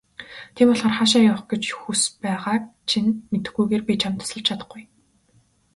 Тийм болохоор хаашаа явах гэж хүс байгааг чинь мэдэхгүйгээр би чамд тусалж чадахгүй.